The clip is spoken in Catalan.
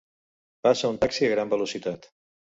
Passa un taxi a gran velocitat.